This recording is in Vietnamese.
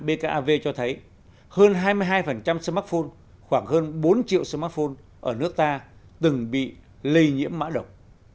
bkav cho thấy hơn hai mươi hai smartphone khoảng hơn bốn triệu smartphone ở nước ta từng bị lây nhiễm mã độc